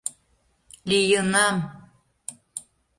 лийынам;